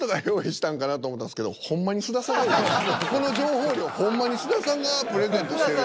この情報量ほんまに菅田さんがプレゼントしてる。